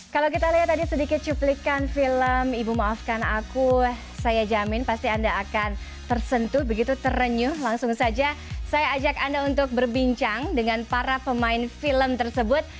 kalau kita lihat tadi sedikit cuplikan film ibu maafkan aku saya jamin pasti anda akan tersentuh begitu terenyuh langsung saja saya ajak anda untuk berbincang dengan para pemain film tersebut